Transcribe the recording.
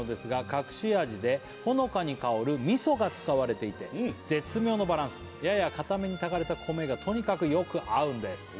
「隠し味でほのかに香る味噌が使われていて絶妙のバランス」「やや硬めに炊かれた米がとにかくよく合うんです」